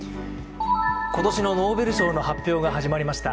今年のノーベル賞の発表が始まりました。